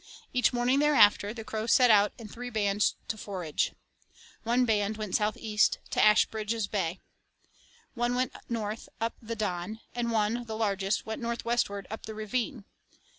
Each morning thereafter the crows set out in three bands to forage. One band went southeast to Ashbridge's Bay. One went north up the Don, and one, the largest, went northwestward up the ravine.